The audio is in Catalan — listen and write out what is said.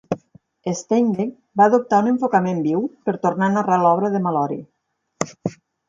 Steinbeck va adoptar un "enfocament viu" per tornar a narrar l'obra de Malory.